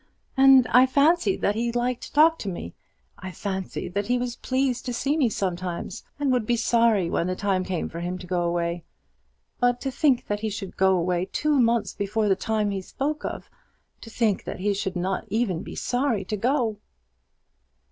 And I fancied that he liked to talk to me; I fancied that he was pleased to see me sometimes, and would be sorry when the time came for him to go away. But to think that he should go away two months before the time he spoke of, to think that he should not even be sorry to go!"